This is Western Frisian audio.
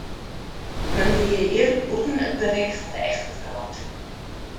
Men wie hjir bûten it berik fan de echte wrâld.